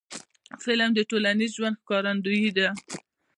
فلم د ټولنیز ژوند ښکارندوی دی